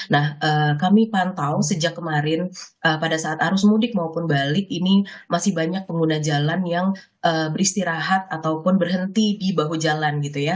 nah kami pantau sejak kemarin pada saat arus mudik maupun balik ini masih banyak pengguna jalan yang beristirahat ataupun berhenti di bahu jalan gitu ya